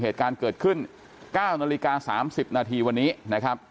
เหตุการณ์เกิดขึ้น๙นาฬิกา๓๐นาทีวันนี้นะครับ